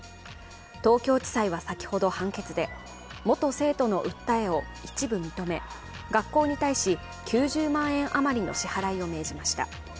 東京地裁は先ほど判決で元生徒の訴えを一部認め学校に対し、９０万円余りの支払いを命じました。